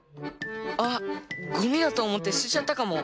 あっゴミだとおもってすてちゃったかも。